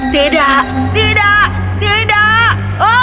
tidak tidak tidak